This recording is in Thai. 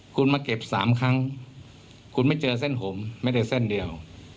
คุณมาเก็บ๓ครั้งคุณไม่เจอเส้นผมไม่ได้เส้นเดียว